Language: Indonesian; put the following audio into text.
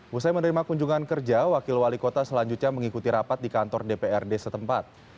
usai menerima kunjungan kerja wakil wali kota selanjutnya mengikuti rapat di kantor dprd setempat